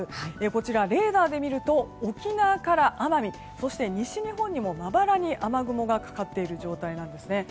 こちらレーダーで見ると沖縄から奄美、そして西日本にもまばらに雨雲がかかっている状態なんですね。